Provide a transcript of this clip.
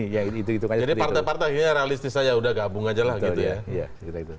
jadi partai partai ini realistis saja ya udah gabung aja lah gitu ya